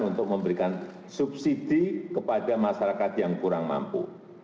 untuk memberikan subsidi kepada masyarakat yang kurang mampu